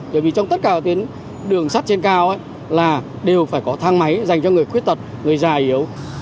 bởi vì trong tất cả tuyến đường sắt trên cao là đều phải có thang máy dành cho người khuyết tật người già yếu